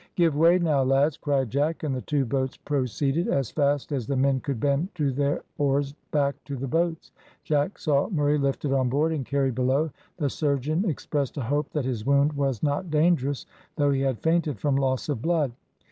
"Give way, now, lads," cried Jack, and the two boats proceeded as fast as the men could bend to their oars back to the ships. Jack saw Murray lifted on board and carried below the surgeon expressed a hope that his wound was not dangerous, though he had fainted from loss of blood.